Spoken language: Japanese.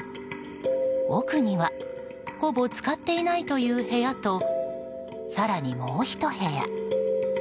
奥にはほぼ使っていないという部屋と更に、もうひと部屋。